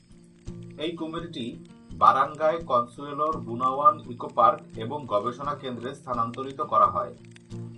এই কুমিরটি বারানগাই কনসুয়েলোর বুনাওয়ান ইকো-পার্ক এবং গবেষণা কেন্দ্রে স্থানান্তরিত করা হয়।